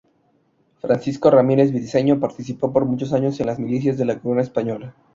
Francisco Ramírez Briceño participó por muchos años en las milicias de la corona española.